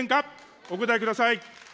お答えください。